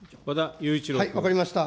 分かりました。